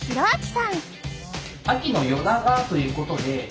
秋の夜長ということで。